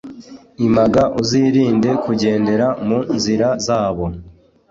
img uzirinde kugendera mu nzira zabo